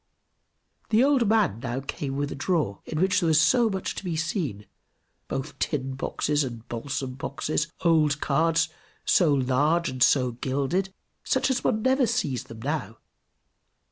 The old man now came with a drawer, in which there was much to be seen, both "tin boxes" and "balsam boxes," old cards, so large and so gilded, such as one never sees them now.